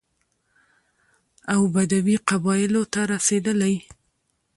او بدوي قبايلو ته رسېدلى،